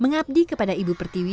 mengabdi kepada ibu pertiwi